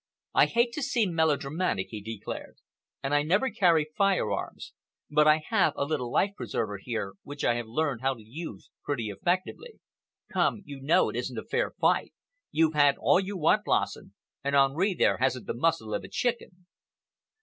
"I hate to seem melodramatic," he declared, "and I never carry firearms, but I have a little life preserver here which I have learned how to use pretty effectively. Come, you know, it isn't a fair fight. You've had all you want, Lassen, and Henri there hasn't the muscle of a chicken."